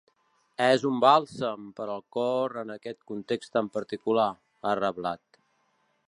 És un bàlsam per al cor en aquest context tan particular, ha reblat.